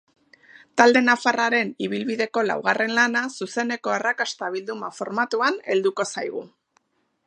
Talde nafarraren ibilbideko laugarren lana zuzeneko arrakasta bilduma formatuan helduko zaigu.